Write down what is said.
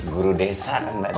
guru desa kang dadang